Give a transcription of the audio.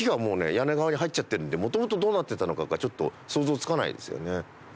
屋根側に入っちゃってるのでもともとどうなってたのかがちょっと想像つかないですよね。